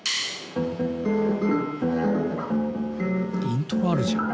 イントロあるじゃん。